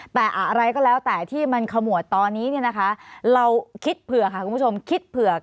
แต่อะไรก็แล้วแต่ที่มันขมวดตอนนี้เนี่ยนะคะเราคิดเผื่อค่ะคุณผู้ชมคิดเผื่อ